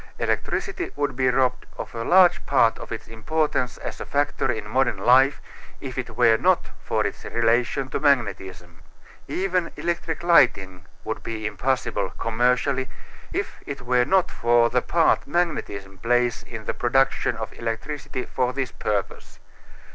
Electricity would be robbed of a large part of its importance as a factor in modern life if it were not for its relation to magnetism. Even electric lighting would be impossible, commercially, if it were not for the part magnetism plays in the production of electricity for this purpose.